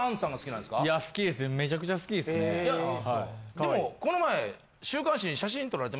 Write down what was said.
でもこの前。